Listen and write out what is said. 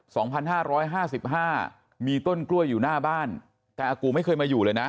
สองพันห้าร้อยห้าสิบห้ามีต้นกล้วยอยู่หน้าบ้านแต่อากูไม่เคยมาอยู่เลยนะ